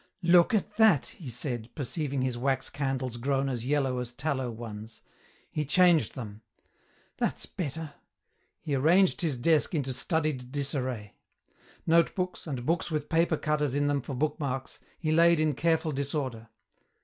"Look at that," he said, perceiving his wax candles grown as yellow as tallow ones. He changed them. "That's better." He arranged his desk into studied disarray. Notebooks, and books with paper cutters in them for book marks, he laid in careful disorder.